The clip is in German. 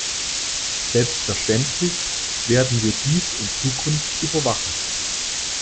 Selbstverständlich werden wir dies in Zukunft überwachen.